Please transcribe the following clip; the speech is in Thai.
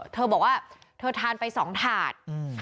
เธอบอกว่าเธอทานไป๒ถาด